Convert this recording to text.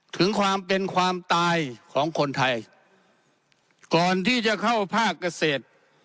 ถึงความเป็นความตายของคนไทยก่อนที่จะเข้าภาคเกษตร